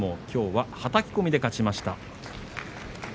きょうははたき込みで勝ちました。